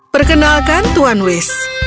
perkenalkan tuan wis